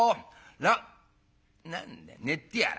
ら何だ寝てやら。